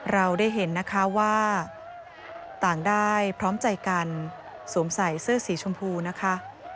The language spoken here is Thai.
เราได้เห็นนะคะว่าต่างได้พร้อมใจกันสวมใส่เสื้อสีชมพูนะคะ